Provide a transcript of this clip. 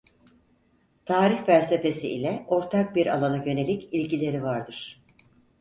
Tarih felsefesi ile ortak bir alana yönelik ilgileri vardır.